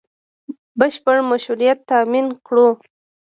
بشپړ مشروعیت تامین کړو